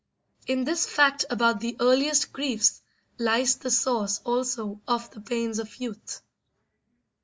In this fact about the earliest griefs lies the source also of the pains of youth.